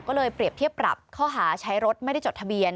ก็เลยเปรียบเทียบปรับข้อหาใช้รถไม่ได้จดทะเบียน